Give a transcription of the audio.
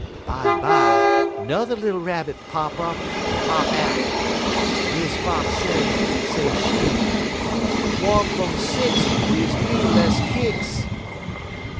Bimeby 'n'er little Rabbit pop up un hop out. Miss Fox say, se' she: "'_One frun six Leaves me less kicks.